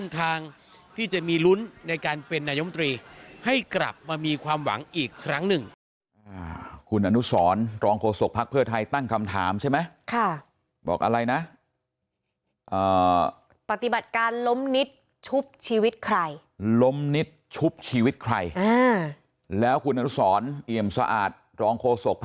ทางที่จะมีลุ้นในการเป็นนายมตรีให้กลับมามีความหวังอีกครั้งหนึ่ง